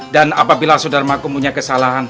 dan apabila sudara markum punya kesalahan